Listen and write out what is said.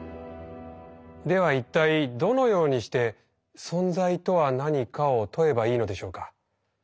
では一体どのようにして「存在とは何か」を問えばいいのでしょうか？